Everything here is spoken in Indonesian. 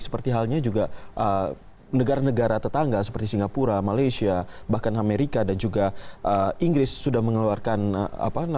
seperti halnya juga negara negara tetangga seperti singapura malaysia bahkan amerika dan juga inggris sudah mengeluarkan